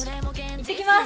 いってきます。